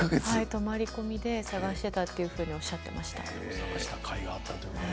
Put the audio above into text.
泊まり込みで探していたということをおっしゃっていました。